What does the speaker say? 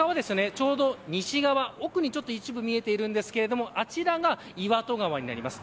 ちょうど西側、奥に一部見えているんですがあちらが岩戸川になります。